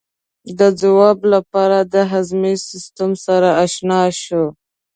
د ځواب لپاره د هاضمې سیستم سره آشنا شو.